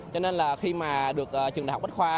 cho nên là khi mà được trường đại học bách khoa